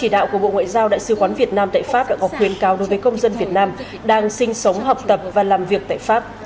đại sứ quán việt nam đang sinh sống học tập và làm việc tại pháp